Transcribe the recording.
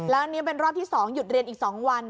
แล้วอันนี้เป็นรอบที่๒หยุดเรียนอีก๒วัน